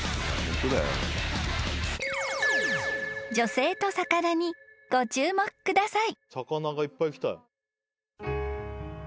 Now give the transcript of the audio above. ［女性と魚にご注目ください］